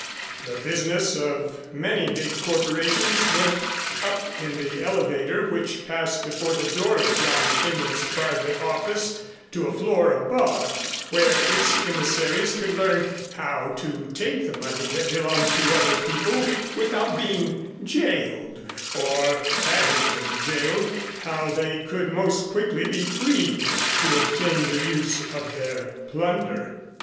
The business of many big corporations went up in the elevator which passed before the door of John Kenyon's private office to a floor above, where its emissaries could learn how to take the money that belonged to other people without being jailed, or, having been jailed, how they could most quickly be freed to obtain the use of their plunder.